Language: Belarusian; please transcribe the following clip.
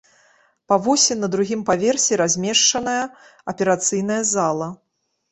Па восі на другім паверсе размешчаная аперацыйная зала.